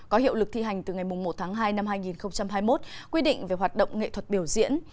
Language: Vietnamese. có hiệu lực thi hành từ ngày một tháng hai năm hai nghìn hai mươi một quy định về hoạt động nghệ thuật biểu diễn